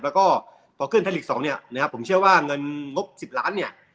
แล้วก็พอขึ้นเท่าไหร่สองเนี้ยนะครับผมเชื่อว่าเงินงบสิบล้านเนี้ย